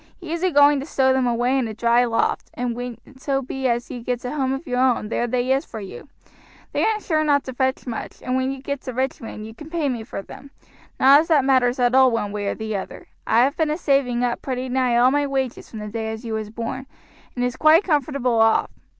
He is a going to stow them away in a dry loft, and when so bee as you gets a home of your own there they is for you; they are sure not to fetch much, and when you gets a rich man you can pay me for them; not as that matters at all one way or the other. I have been a saving up pretty nigh all my wages from the day as you was born, and is quite comfortable off.